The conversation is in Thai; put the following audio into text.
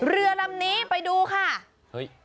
เรือลำนี้ไปดูค่ะเฮ้ย